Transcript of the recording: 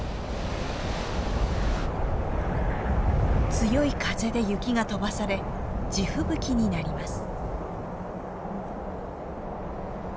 強い風で雪が飛ばされ地吹雪になります。